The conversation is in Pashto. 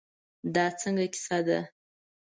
دا څنګه کیسه ده.